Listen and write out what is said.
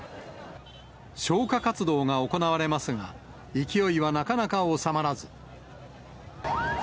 消火活動が行われますが、勢いはなかなか収まらず。